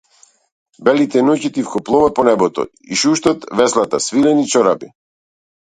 Белите ноќи тивко пловат по небото, и шуштат веслата, свилените чорапи.